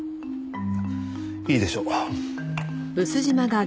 いいでしょう。